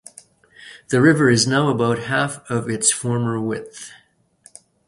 The river is now about half of its former width.